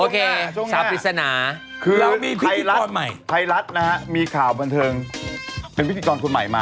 คนนี้เขารออยอยู่นี่คุณแม่เบนหน้า